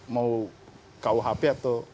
mau kuhp atau